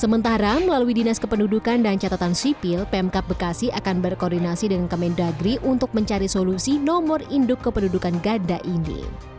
sementara melalui dinas kependudukan dan catatan sipil pemkap bekasi akan berkoordinasi dengan kemendagri untuk mencari solusi nomor induk kependudukan ganda ini